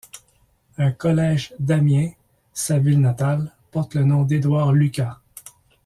Un collège d'Amiens, sa ville natale, porte le nom d'Édouard Lucas.